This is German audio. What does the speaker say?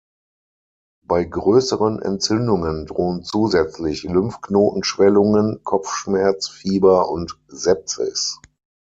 Bei größeren Entzündungen drohen zusätzlich Lymphknotenschwellungen, Kopfschmerz, Fieber und Sepsis.